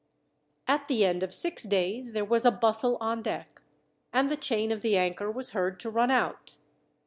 At the end of six days there was a bustle on deck, and the chain of the anchor was heard to run out.